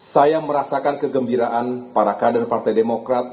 saya merasakan kegembiraan para kader partai demokrat